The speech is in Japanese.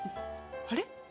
あれ？